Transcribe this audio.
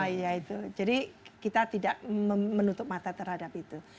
iya itu jadi kita tidak menutup mata terhadap itu